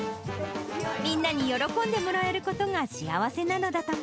みんなに喜んでもらえることが幸せなのだとか。